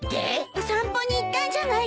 お散歩に行ったんじゃないかしら？